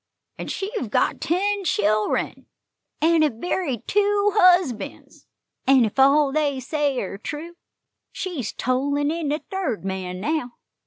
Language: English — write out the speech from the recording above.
An' she hev got ten chil'ren, an' hev buried two husbands; an' ef all they say air true, she's tollin' in the third man now.